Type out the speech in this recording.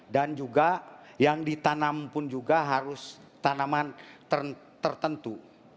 dan juga yang ditanam pun juga harus tanaman tertentu